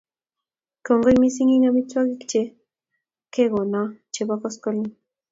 kongoi mising eng' amitwagik che kee gona chebo koskoling